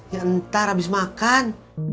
ya ntar abis makan